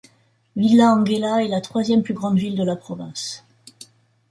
Villa Ángela est la troisième plus grande ville de la province.